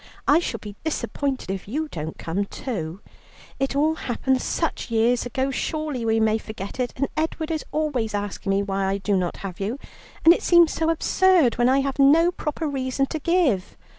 I shall be disappointed if you don't come too. It all happened such years ago, surely we may forget it; and Edward is always asking me why I do not have you, and it seems so absurd, when I have no proper reason to give.